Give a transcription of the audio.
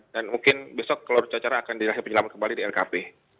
dan mungkin besok keluarga cuaca akan dirahsi penyelamatan kembali di lkp